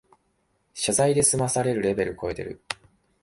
謝罪で済まされるレベルこえてる